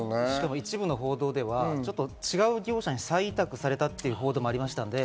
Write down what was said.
一部の報道では違う業者に再委託されたという報道もありました。